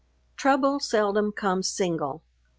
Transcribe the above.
Trouble seldom comes single.